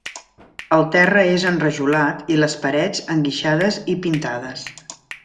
El terra és enrajolat i les parets enguixades i pintades.